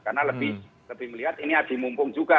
karena lebih melihat ini ada di mumpung juga